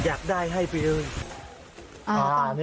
อยากได้ให้ตัวเอง